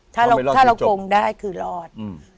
ถ้าเราโกงได้คือรอด